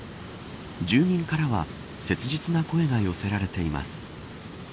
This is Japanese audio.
住民からは切実な声が寄せられています。